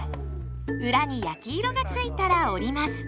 裏に焼き色がついたら折ります。